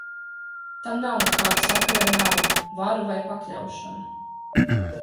Tam nav nekāda sakara ar naudu, varu vai pakļaušanu.